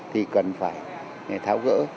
thì cần phải tháo gỡ